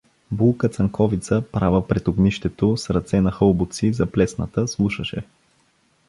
Булка Цанковица, права пред огнището, с ръце на хълбоци, заплесната, слушаше.